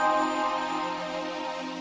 keluar youtube ga ada hari ini ayolah